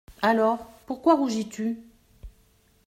Alors, pourquoi rougis-tu ?